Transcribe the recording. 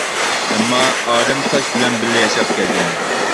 ئەمما، ئادەم تاش بىلەن بىللە ياشاپ كەلگەن.